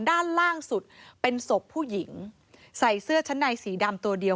ด้านล่างสุดเป็นศพผู้หญิงใส่เสื้อชั้นในสีดำตัวเดียว